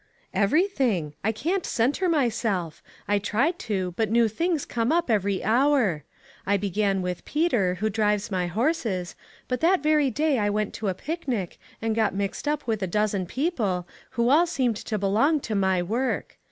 " Everything. I can't centre myself. I tried to, but new things come up every hour. I began with Peter, who drives my horses, but that very day I went to a picnic and got mixed up with a dozen people, who all seemed to belong to my work.